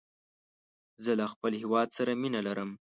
زه له خپل هېواد سره مینه لرم.